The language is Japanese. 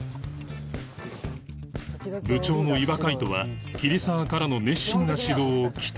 部長の伊庭海斗は桐沢からの熱心な指導を期待していた